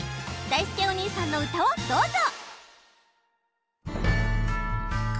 だいすけお兄さんの歌をどうぞ！